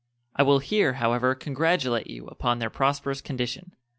I will here, however, congratulate you upon their prosperous condition.